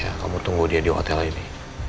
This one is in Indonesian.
ya kamu tunggu dia di hotel ini